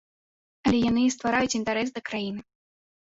Але яны і ствараюць інтарэс да краіны.